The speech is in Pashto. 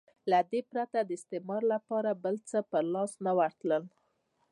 له دې پرته استعمار لپاره بل څه په لاس نه ورتلل.